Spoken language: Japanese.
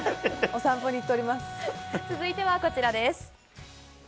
続いてはこちらです。